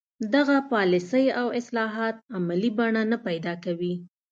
دغه پالیسۍ او اصلاحات عملي بڼه نه پیدا کوي.